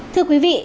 thưa quý vị